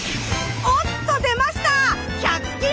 おっと出ました